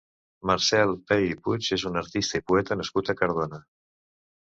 Marcel Pey i Puig és un artista i poeta nascut a Cardona.